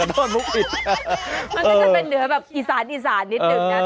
มันก็จะเป็นเหนือแบบอีสานอีสานนิดหนึ่งนะ